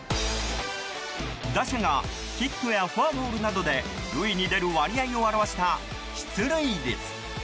打者がヒットやフォアボールなどで塁に出る割合を表した出塁率。